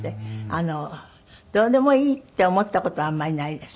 どうでもいいって思った事はあんまりないです